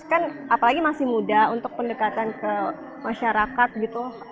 kan apalagi masih muda untuk pendekatan ke masyarakat gitu